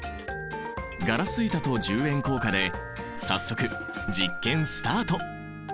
ガラス板と１０円硬貨で早速実験スタート！